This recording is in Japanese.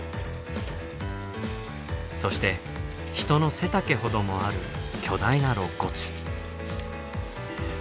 そして人の背丈ほどもある巨大な肋骨。